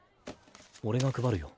俺が配るよ。